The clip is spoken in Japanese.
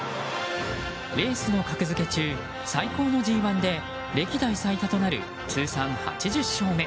レースの格付け中、最高のＧ１で歴代最多となる通算８０勝目。